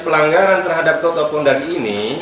pelanggaran terhadap tukang kondak ini